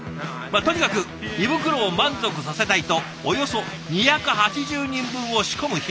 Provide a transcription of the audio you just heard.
とにかく胃袋を満足させたいとおよそ２８０人分を仕込む日々。